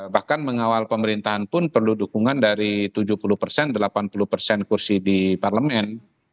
bahkan mengawal pemerintahan pun perlu dukungan dari tujuh puluh persen delapan puluh persen kursi di parlemen